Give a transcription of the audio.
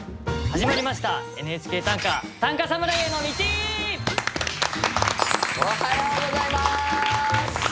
始まりました「ＮＨＫ短歌」おはようございます！